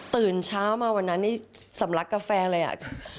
ตื่นเช้ามาวันนั้นนี่สำลักกาแฟเลยอ่ะ